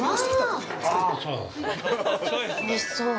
◆おいしそう。